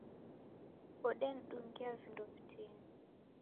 Odenidungia vindo vitini